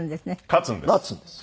勝つんです。